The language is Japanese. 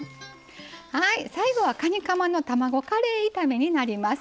はい最後はかにかまの卵カレー炒めになります。